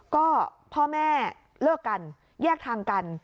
ก็พ่อแม่เลิกกันแยกทางกัน